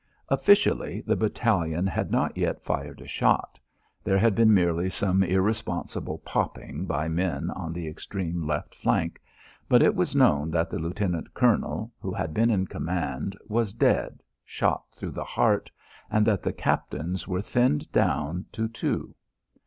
Officially, the battalion had not yet fired a shot; there had been merely some irresponsible popping by men on the extreme left flank. But it was known that the lieutenant colonel who had been in command was dead shot through the heart and that the captains were thinned down to two.